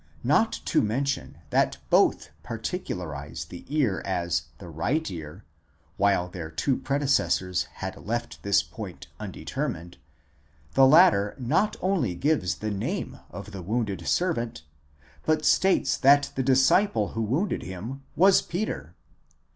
Not to mention that both particularize the ear as the right ear, while their two predecessors had left this point undetermined ; the latter not only gives the name of the wounded servant, but states that the disciple who wounded him was Peter.